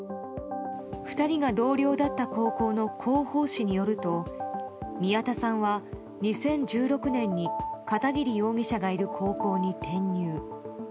２人が同僚だった高校の広報誌によると宮田さんは２０１６年に片桐容疑者がいる高校に転入。